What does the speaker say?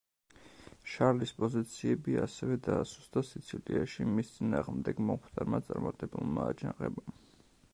შარლის პოზიციები ასევე დაასუსტა სიცილიაში მის წინააღმდეგ მომხდარმა წარმატებულმა აჯანყებამ.